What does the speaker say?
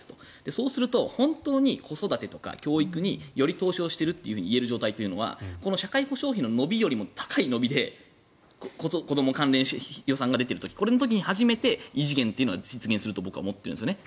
そうすると、本当に子育てとか教育により投資をしているといえる状態というのはこの社会保障費の伸びより高い伸びで子ども関連予算が出てくるとこれの時に初めて異次元は実現すると思っているんですね。